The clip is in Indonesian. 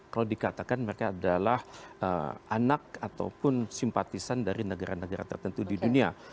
kalau dikatakan mereka adalah anak ataupun simpatisan dari negara negara tertentu di dunia